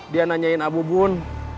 dia nanyain abu bun